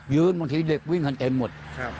บางทีเด็กวิ่งกันเต็มหมด